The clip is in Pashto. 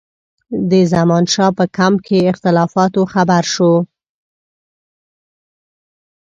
د زمانشاه په کمپ کې اختلافاتو خبر شو.